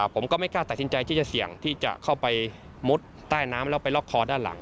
ผมก็ไม่กล้าตัดสินใจที่จะเสี่ยงที่จะเข้าไปมุดใต้น้ำแล้วไปล็อกคอด้านหลัง